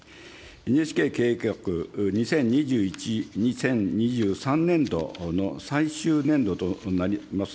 ＮＨＫ経営計画２０２１、２０２３年度の最終年度となります